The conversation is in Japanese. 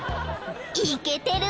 ［イケてる！］